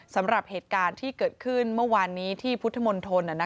สำหรับเหตุการณ์ที่เกิดขึ้นเมื่อวานนี้ที่พุทธมนตร